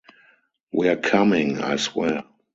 We're coming, I swear.